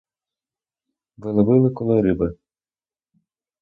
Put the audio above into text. Ви ловили коли риби?